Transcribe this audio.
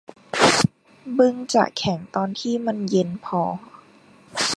บึงจะแข็งตอนที่มันเย็นพอ